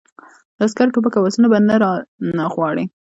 د عسکرو ټوپک او آسونه به نه رانه غواړې!